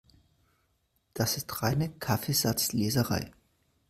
Das ist reine Kaffeesatzleserei.